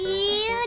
wih lucu banget